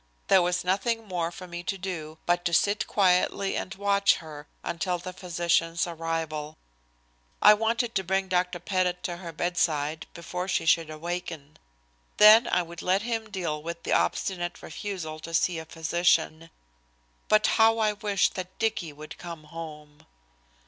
There was nothing more for me to do but to sit quietly and watch her until the physician's arrival. I wanted to bring Dr. Pettit to her bedside before she should awaken. Then I would let him deal with her obstinate refusal to see a physician. But how I wished that Dicky would come home.